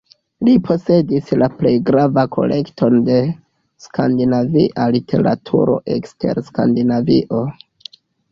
Li posedis la plej grava kolekton de skandinavia literaturo ekster Skandinavio.